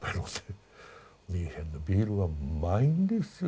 ミュンヘンのビールはうまいんですよ